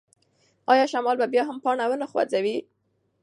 ایا شمال به بیا هم پاڼه ونڅوي؟